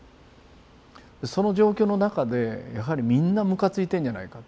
その状況の中でやはりみんなムカついてんじゃないか。